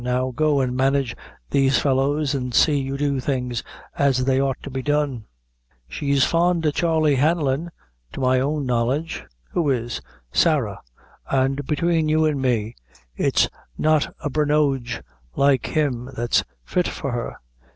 Now, go and manage these fellows, an' see you do things as they ought to be done." "She's fond o' Charley Hanlon, to my own knowledge." "Who is?" "Sarah, an' between you an' me, it's not a Brinoge like him that's fit for her.